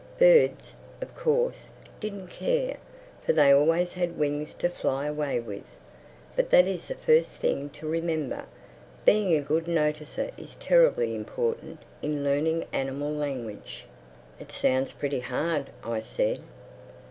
Birds, of course, didn't care; for they always had wings to fly away with. But that is the first thing to remember: being a good noticer is terribly important in learning animal language." "It sounds pretty hard," I said.